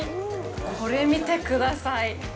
これ見てください。